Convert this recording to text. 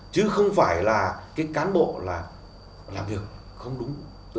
chứ không phải là cái cán bộ là làm việc không đúng